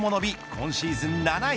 今シーズン７位。